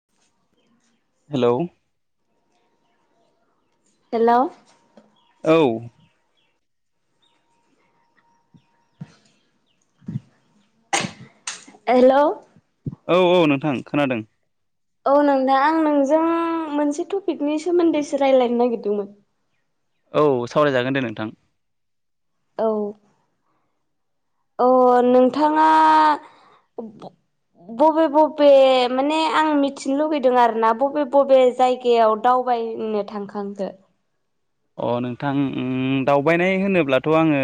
[unintelligible] Hello hello औ hello औ-औ नोंथां खोनादों औ नोंथां आं नोंजों मोनसे टपिकनि सोमोन्दैसो रायलायनो नागिरदोंमोन औ सावरायजागोन दे नोंथां औ अ नोंथाङा बबे बबे माने आं मिथिनो लुुबैदों आरोना बबे बबे जायगायाव दावबायनो थांखांखो अ नोंथां दावबायनाय होनोब्लाथ' आङो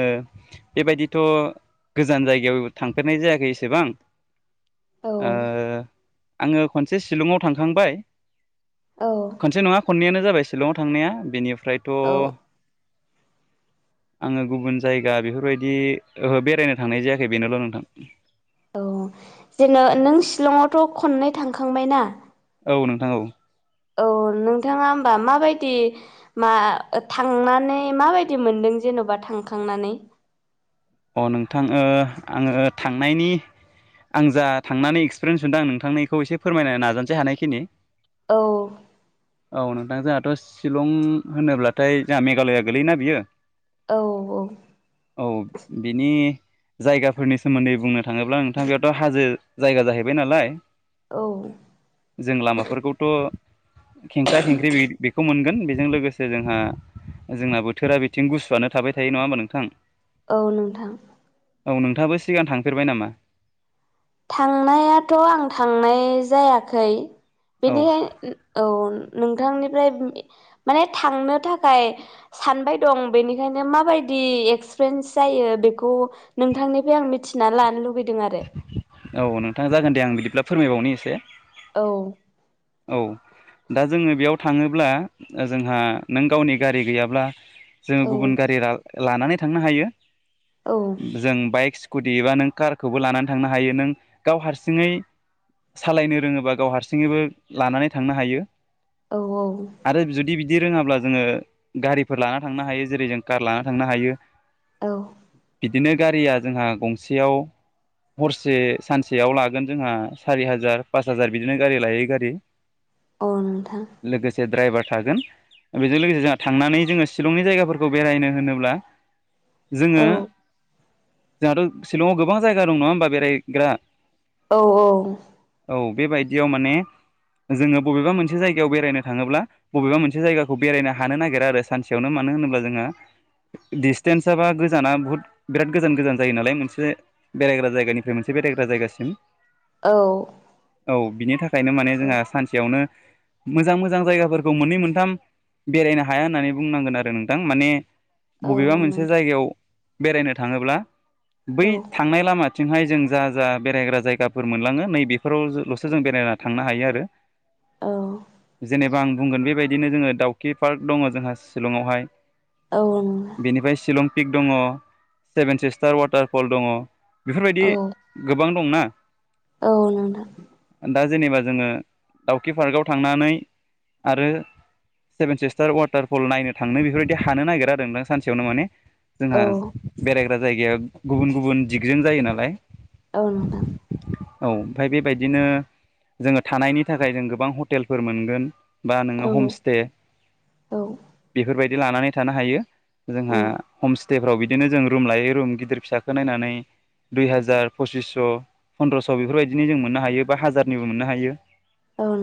बेबायदिथ' गोजान जायगायाव थांफेरनाय जायाखै एसेबां औ ओ आङो खनसे सिलंआव थांखांबाय औ खनसे नङा खननैयानो जाबाय सिलंआव थांनाया बेनिफ्रायथ' औ आङो गुबुन जायगा बेफोरबायदि ओहो बेरायनो थांनाय जायाखै बेनोल' नोंथां औ जेन' नों शिलंआवथ' खननै थांखांबायना औ नोंथां औ औ नोंथाङा होमबा माबायदि मा थांनानै माबायदि मोनदों जेन'बा थांखांनानै अ नोंथां ओ आङो ओ थांनायनि आं जा थांनानै एक्सपिरियेन्स मोनदों आं नोंथांनो इखौ एसे फोरमायनो नाजानोसै हानायखिनि औ औ नोंथां जोंहाथ' शिलं होनोब्लाथाय जोंहा मेघालया गोलैयोना बियो औ औ औ बिनि जायगाफोरनि सोमोन्दै बुंनो थाङोब्ला नोंथां बेयावथ' हाजो जायगा जाहैबाय नालाय औ जों लामाफोरखौथ' खेंख्रा खेंख्रि बे बेखौ मोनगोन बेजों लोगोसे जोंहा जोंना बोथोरा बिथिं गुसुआनो थाबाय थायो नङा होमबा नोंथां औ नोंथां औ नोंथाङाबो सिगां थांफेरबाय नामा? थांनायाथ' आं थांनाय जायाखै औ बेनिखाय औ नोंथांनिफ्राय माने थांनो थाखाय सानबाय दं बेनिखायनो माबायदि एक्सफ्रेन्स जायो बेखौ नोंथांनिफ्राय आं मिथिना लानो लुुबैदों आरो। औ नोंथां जागोन दे आं बिदिब्ला फोरमायबावनि एसे औ औ दा जोङो बेयाव थाङोब्ला जोंहा नों गावनि गारि गैयाब्ला जों औ गुबुन गारि ला-लानानै थांनो हायो औ जों बाइक कुटिबा नों कारखौबो लानानै थांनो हायो नों गाव हारसिङै सालायनो रोङोबा गाव हारसिङैबो लानानै थांनो हायो। औ औ आरो जुदि बिदि रोङाब्ला जोङो गारिफोर लाना थांनो हायो जेरै जों कार लाना थांनो हायो। औ बिदिनो गारिया जोंहा गंसेयाव हरसे सानसेयाव लागोन जोंहा सारि हाजार पास हाजार बिदिनो गारि लायै गारि अ नोंथां लोगोसे द्राइभार थागोन। बेजों लोगोसे जोंहा थांनानै जोङो शिलंनि जायगाफोरखौ बेरायनो होनोब्ला औ जोङो जाङाथ' सिलंआव गोबां जायगा दं नङा होमबा बेरायहैग्रा औ औ औ बेबायदियाव माने जोङो बबेबा मोनसे जायगायाव बेरायनो थाङोब्ला बबेबा मोनसे जायगाखौ बेरायनो हानो नागिरा आरो सानसेयावनो मानो होनोब्ला जोंहा दिडसटेन्सा बा गोजाना बुहुत बिराद गोजान गोजान जायो नालाय मोनसे बेरायग्रा जायगानिफ्राय मोनसे बेरायग्रा जायगासिम औ औ बिनि थाखायनो माने जोंहा औ सानसेयावनो मोजां मोजां जायगाफोरखौ मोननै मोनथाम बेरायनो हाया होननानै बुंनांगोन आरो नोंथां माने बबेबा औ मोनसे नोंथां जायगायाव बेरायनो थाङोब्ला बै औ थांनाय लामाथिंहाय जों जा जा बेरायग्रा जायगाफोर मोनलाङो नैबे फोरावल'सो जों बेरायना थांनो हायो आरो औ जेनेबा आं बुंगोन बेबायदिनो जोङो दाउखि पार्क दङ' जोंहा शिलंआवहाय‌। औ बेनिफाय शिलं पिक दङ' सेभेन सिस्टार वाटारफल दङ' बेफोरबायदि औ गोबां दंना औ नंथां दा जेनेबा जोङो दाउखि पार्कआव थांनानै आरो सेभेन सिस्टार वाटारफल नायनो थांनो बेफोरबायदि हानो नागिरा आरो नोंथां सानसेयावनो माने जोंहा औ बेरायग्रा जायगाया गुबुन गुबुन दिगजों जायो नालाय औ नोंथां औ फाय बेबायदिनो जोङो थानायनि थाखाय जों गोबां हटेलफोर मोनगोन बा औ नोङो हमस्टे औ बेफोरबायदि लानानै थानो हायो। जोंहा हमस्टेफ्राव बिदिनो जों रुम लायै रुम गिदिर फिसाखौ नायनानै दुइ हाजार पसिसस' फन्द्रस' बेफोरबायदिनो जों मोननो हायो बा हाजारनिबो मोननो हायो। ओं।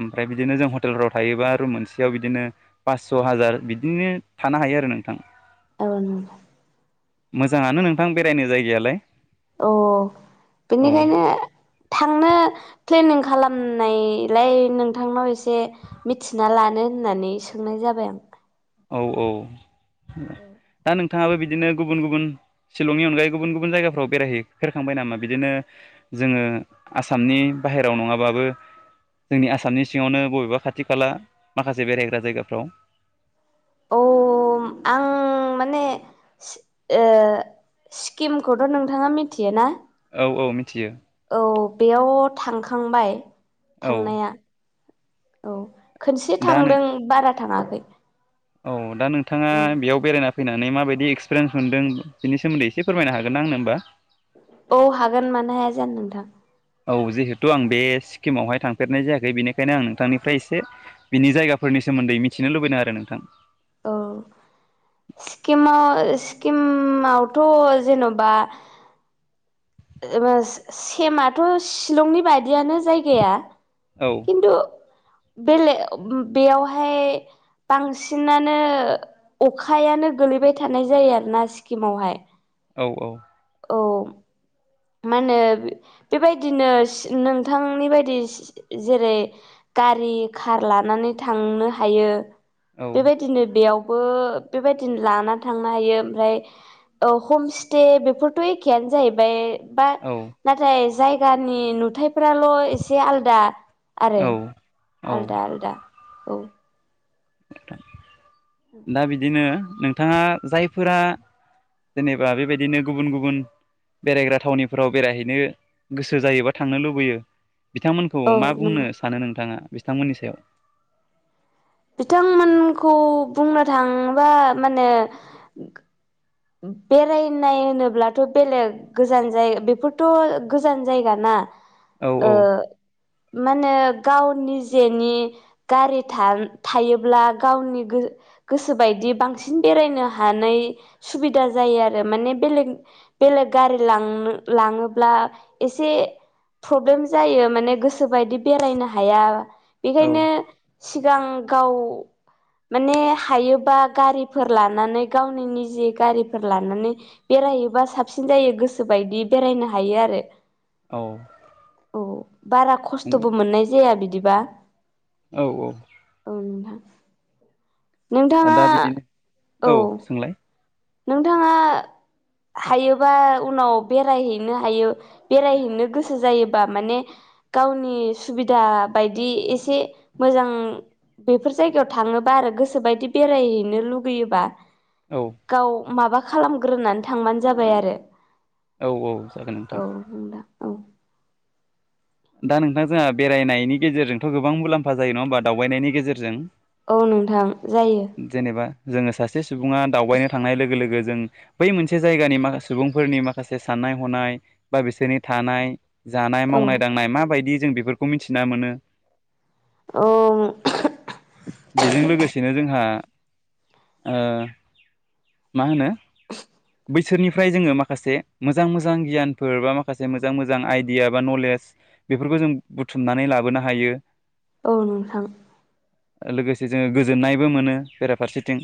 ओमफ्राय बिदिनो जों हटेलफ्राव थायोबा रुम मोनसेयाव बिदिनो पास्स' हाजार बिदिनो थानो हायो आरो नोंथां। ओं। मोजाङानो नोंथां बेरायनो जायगायालाय। औ औ बेनिखायनो थांनो प्लेनिं खालामनायलाय नोंथांनाव एसे मिथिना लानो होननानै सोंनाय जाबाय आं। औ औ दा नों नोंथाङाबो बिदिनो गुबुन गुबुन शिलंनि अनगायै गुबुन गुबुन जायगाफ्राव बेरायहै फेरखांबाय नामा बिदिनो जोङो आसामनि बाहेरायाव नङाबाबो जोंनि आसामनि सिङावनो बबेबा खाथि खाला माखासे बेरायग्रा जायगाफ्राव औ आं माने ओ स्किमखौथ' नोंथाङा मिथियो ना? औ औ मिथियो औ बेयाव थांखांबाय औ थांनाया। औ खनसे दा नों थांदों बारा थाङाखै। औ दा नोंथाङा औ बेयाव बेरायना फैनानै माबायदि एक्सपिरियन्स मोनदोंनि बिनि सोमोन्दै एसे फोरमनो हागोन ना आंनो होमबा? औ हागोन मानो हाया जानो नोंथां। औ जिहेथु आं बे सिक्किमावहाय थांफेरनाय जायाखै बेनिखायनो आं नोंथांनिफ्राय एसे बिनि जायगाफोरनि सोमोन्दै मिथिनो लुबैदों आरो नोंथां। औ सिक्किमाव सिक्किमावथ' जेनबा सेमाथ' शिलंनि बायियानो जायगाया। औ। [inaudible] बेले ब-बेयावहाय बांसिनानो अखायानो गोलैबाय थानाय जायो आरोना सिक्किमावहाय। औ औ। औ। मा होनो बेबायदिनो नोंथांनि बायदि, जेरै गारि कार लानानै थांनो हायो बेबायदि। बिदिनो बेयावबो बेबायदिनो लानानै थांनो हायो ओमफ्राय औ हमस्टे बेफोरथ' एखेआनो जाहैबाय। बा औ नाथाय जायगानि नुथायाइफोराल' एसे आलदा आरो औ औ आलदा आलदा औ। दा बिदिनो नोंथाङा जायफोरा जेनेबा बेबायदिनो गुबुन गुबुन बेरायग्रा थावनिफोराव बेरायहैनो गोसो जायोबा थांनो लुबैयो। बिथांमोनखौ औ मा बुंनो नंगौ सानो नोंथाङा बिथांमोननि सायाव? बिथांमोनखौ बुंनो थांङोबा माने बेरायनाय होनोब्लाथ' बेलेग गोजान जाय बेफोरथ' गोजान जायगा ना औ औ ओ मानो गाव नि जेनि गारि था-थायोब्ला गावनि गोसोबायदि बांसिन बेरायनो हानाय सुबिदा जायो आरो माने बेलेग बेलेग गारि लां लाङोब्ला एसे प्रब्लेम जायो माने गोसोबायदि बेरायनो हाया औ बेखायनो सिगां गाव, माने हायोबा गारिफोर लानानै गावनि निजि गारिफोर लानानै बेरायोबा साबसिन जायो गोसो बायदि बेरायनो हायो आरो औ औ बारा खस्थ'बो मोननाय जाया बिदिबा। औ औ औ नोंथां नोंथाङा दा बिदिनो औ नोंथाङा हायोबा उनाव बेरायहैनो हायो। बेरायहैनो गोसो जायोबा माने, गावनि सुबिदा बायदि एसे मोजां, बेफोर जायगायाव थाङोबा आरो गोसोबायदि बेरायहैनो लुगैयोबा, औ गाव माबा खालामग्रोनानै थांबानो जाबाय आरो औ औ जागोन औ नोंथां [unintelligible] औ दा नोंथां जोंहा बेरायनायनि गेजेरजोंथ' गोबां मुलाम्फा जायो नङा होमबा दावबायनायनि गेजेरजों, औ नोंथां जायो। जेनेबा जोङो सासे सुबुङा दावबायनो थांनाय लोगो लोगो जों बै मोनसे जायगानि माखासे सुबुंफोरनि माखासे साननाय हनाय बा बिसोरनि थानाय, जानाय औ मावनाय दांनाय माबायदि जों बेफोरखौ मिथिना मोनो औ बेजों लोगोसेनो जोंहा ओ मा होनो, बैसोरनिफ्राय जोङो माखासे मोजां मोजां गियानफोर बा माखासे मोजां मोजां आइडिया बा नलेज बेफोरखौ जों बुथुमनानै लाबोनो हायो। औ नोंथां लोगोसे जोङो गोजोननायबो मोनो बेराफारसेथिं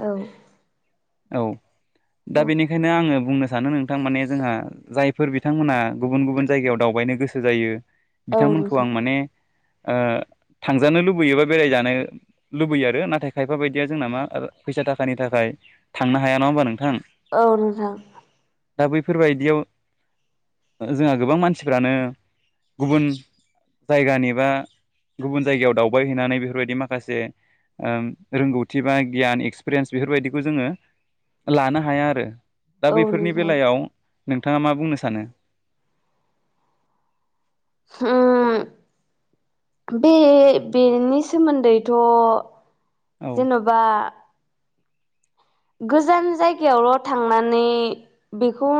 औ। औ दा औ बेनिखायनो आङो बुंनो सानो नों थारमाने जोंहा जायफोर बिथांमोनहा गुबुन गुबुन जायगायाव दावबायनो गोसो जायो। औ बिथांमोनखौ आं नोंथां माने ओ थांजानो लुबैयोबा बेरायजानो, लुबैयो आरो नाथाय खायफा बायदिया जोंना मा फैसा थाखानि थाखाय थांनो हाया नङा होमबा नोंथां, औ नोंथां। दा बैफोरबायदियाव जोंहा गोबां मानसि मानसिफ्रानो गुबुन जायगानि बा गुबुन जायगायाव दावबाय हैैनानै बेफोरबायदि माखासे ओं रोंगौथि बा गियान एक्सपिरियेन्स बेफोरबायदिखौ जोङो। लानो हाया आरो दा औ बैफोरनि नोंथां बेलायाव नोंथाङा मा बुंनो सानो? [unintelligible] बे बेनि सोमोन्दैथ' औ जेन'बा, गोजान जायगायावल' थांनानै बेखौ,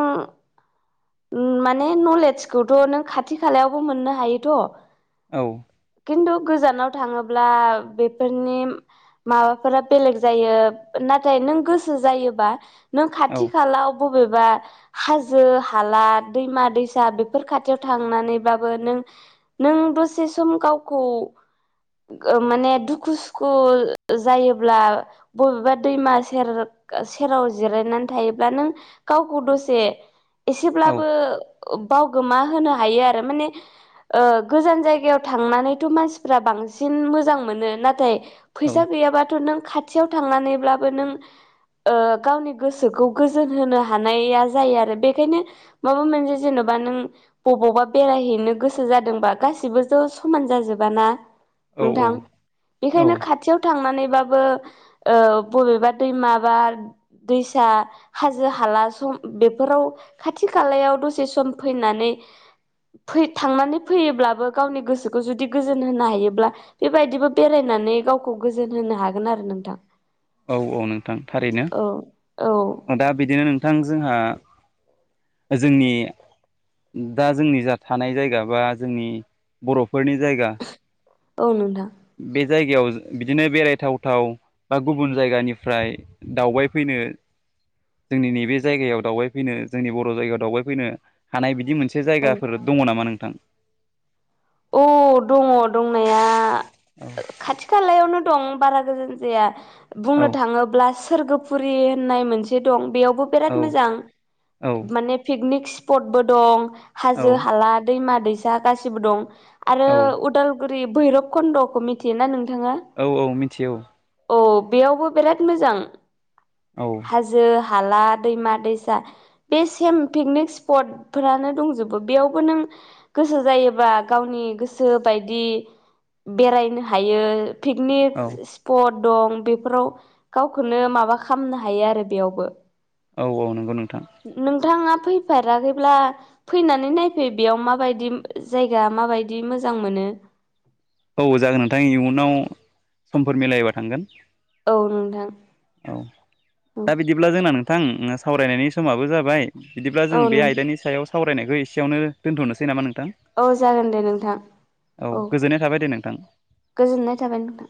उम माने नलेजखौथ' नों खाथि खालायावबो मोननो हायोथ' औ खिन्थु गोजानाव थाङोब्ला बेफोरनि, माबाफोरा बेलेग जायो नाथाय नों गोसो जायोबा। नों औ खाथि खालाव बबेबा हाजो हा हाला दैमा दैसा बेफोर खाथियाव थांनानैबाबो नों, नों दसे सम गावखौ, माने दुखु सुखु जायोब्ला। बबेबा दैमा सेर सेराव जिरायनानै थायोब्ला नों गावखौ दसे, औ एसेब्लाबो बावगोमा होनो हायो। आरो माने, गोजान जायगायाव थांनानैथ' मानसिफ्रा बांसिन मोजां मोनो नाथाय, औ फैसा गैयाबाथ' नों खाथियाव थांनानैब्लाबो नों गावनि गोसोखौ गोजोन होनो हानाया जायो आरो बे खायनो माबा मोनसेे जेन'बा नों अबावबा बेरायहैनो गोसो जादोंबा गासिबो ज' समान जाजोब ना। नोंथां औ बेखायनो खाथियाव थांनानैबाबो बबेबा दैमाबा दैसा हाजो हाला सम बेफोराव खाथि खालायाव दसे सम फैनानै फै थांनानै फैयोब्लाबो गावनि गोसोखौ जुदि गोजोन होनो हायोब्ला बेबायदिबो बेरायनानै गावखौ गोजोन होनो हागोन आरो नोंथां। औ औ नोंथां थारैनो। औ औ दा बिदिनो नोंथां जोंहा जोंनि दा जोंनि जा थानाय जायगा बा जोंनि बर'फोरनि जायगा औ नोंथां। बे जायगायाव बिदिनो बेरायथावथाव बा गुबुन जायगानिफ्राय दावबायफैनो जोंनि नैबे जायगायाव दावबायफैनो जोंनि बर' जायगायाव दावबायफैनो हानाय बिदि मोनसे से औ जायगाफोर दङ नामा नोंथां? अ दङ' दंनाया खाथि खालायावनो दं बारा गोजान जाया। बुंनो औ थाङोब्ला सोरगोफुरि होननाय मोनसे दं बेयावबो औ बेराद मोजां। माने पिकनिक स्पटबो दं औ हाजो हाला दैमा दैसा गासिबो दं। आरो औ उदालगुरि भैरब कन्द'खौ मिथियोना नोंथाङा? औ औ मिथि औ। अ बेयावबो बिराद मोजां। औ। हाजो हाला, दैमा दैसा। बे सेम पिकनिक स्पट फोरानो दंजोबो बेयावबो नों गोसो जायोबा गावनि गोसो बायदि बेरायनो हायो पिकनिक औ स्फट दं बेफोराव गावखौनो माबा खामनो हायो आरो बेयावबो। औ औ नंगौ नोंथां। नोंथाङा फैफेराखैब्ला फैनानै नायफै बेयाव माबायदि जाय या माबायदि मोजां मोनो। औ जागोन नोंथां इयुनाव समफोर मिलायोबा थांगोन। औ नोंथां। औ औ दा बिदिब्ला जोंना नोंथां सावरायनायनि समाबो जाबाय। बिदिब्ला औ जों बे नोंथां आयदानि सायाव सावरायनायखौ एसेयावनो दोनथ'नोसै नामा नोंथां। ओ जागोन दे नोंथां औ। खोनोंथां। गोजोननाय थाबाय नोंथां।